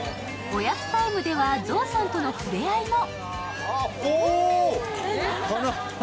おやつタイムでは象さんとのふれあいも。